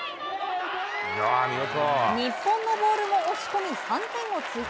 日本のボールも押し込み３点を追加。